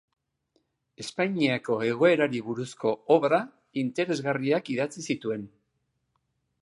Espainiako egoerari buruzko obra interesgarriak idatzi zituen.